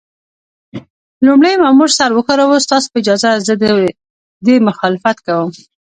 لومړي مامور سر وښوراوه: ستاسو په اجازه، زه د دې مخالفت کوم.